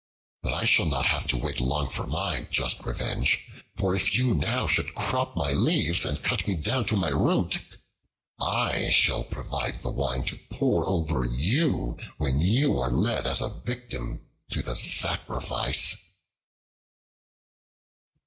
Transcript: But I shall not have to wait long for my just revenge; for if you now should crop my leaves, and cut me down to my root, I shall provide the wine to pour over you when you are led as a victim to the sacrifice."